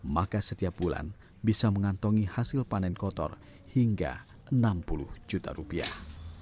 maka setiap bulan bisa mengantongi hasil panen kotor hingga enam puluh juta rupiah